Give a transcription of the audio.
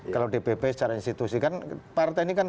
kalau dpp secara institusi kan partai ini kan